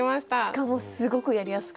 しかもすごくやりやすかった。